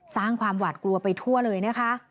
สร้างความหวาดกลัวไปทั่วเลยนะคะ